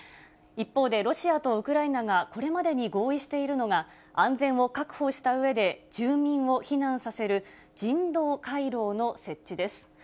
一方で、ロシアとウクライナがこれまでに合意しているのが、安全を確保したうえで住民を避難させる、人道回廊の設置です。